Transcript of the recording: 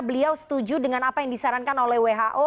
beliau setuju dengan apa yang disarankan oleh who